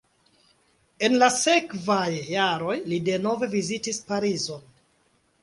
En la sekvaj jaroj li denove vizitis Parizon.